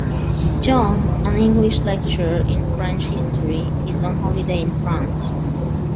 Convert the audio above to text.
John, an English lecturer in French history, is on holiday in France.